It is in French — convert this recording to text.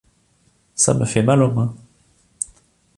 ça me fait mal aux mains.